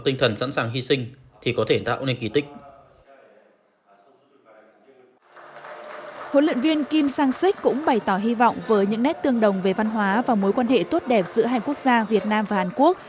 huấn luyện viên kim sang sích cũng bày tỏ hy vọng với những nét tương đồng về văn hóa và mối quan hệ tốt đẹp giữa hai quốc gia việt nam và hàn quốc